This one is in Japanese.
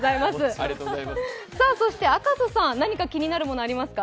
そして赤楚さん、何か気になるもの、ありますか？